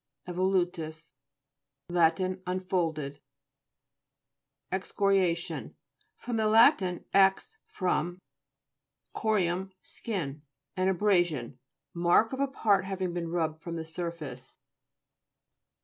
EVOLU'TTJS Lat. Unfolded. EXCORIA'TION fr. lat. ex, from, curium, skin. An abrasion, mark of a part having been rubbed from the surface.